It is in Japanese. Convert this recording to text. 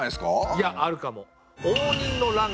いやあるかも。